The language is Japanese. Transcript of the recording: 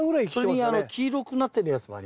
それに黄色くなってるやつもありますよ。